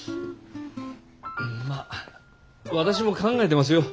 まあ私も考えてますよ。